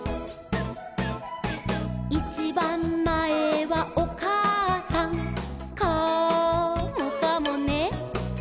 「いちばんまえはおかあさん」「カモかもね」